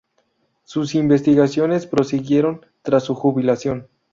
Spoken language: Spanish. Sus investigaciones prosiguieron tras su jubilación.